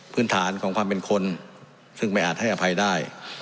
พื้นฐานของความเป็นคนซึ่งไม่อาจให้อภัยได้